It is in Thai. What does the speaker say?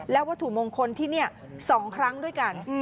และวัตถุมงคลที่นี่๒ครั้งด้วยกัน